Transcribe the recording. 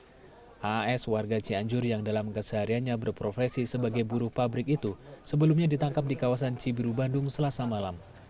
haas warga cianjur yang dalam kesehariannya berprofesi sebagai buruh pabrik itu sebelumnya ditangkap di kawasan cibiru bandung selasa malam